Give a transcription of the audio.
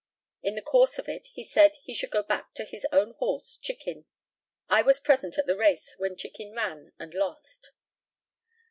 In the course of it he said he should back his own horse, Chicken. I was present at the race, when Chicken ran and lost.